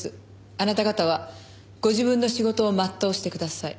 あなた方はご自分の仕事を全うしてください。